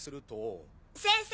先生。